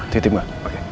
titip gak oke